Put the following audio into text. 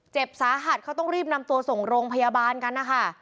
เจ็บสาหัสเขาต้องรีบนำตัวส่งโรงพยาบาลกันนะคะ